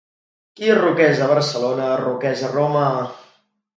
Qui ruc és a Barcelona ruc és a Roma.